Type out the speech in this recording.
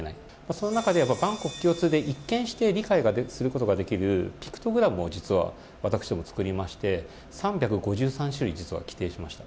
その中で、万国共通で一見して理解することができるピクトグラムを私ども、作りまして３５３種類規定しました。